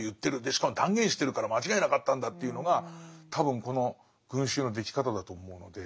しかも断言してるから間違いなかったんだ」っていうのが多分この群衆のでき方だと思うので。